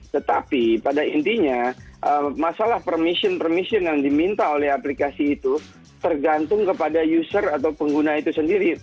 tetapi pada intinya masalah permission permission yang diminta oleh aplikasi itu tergantung kepada user atau pengguna itu sendiri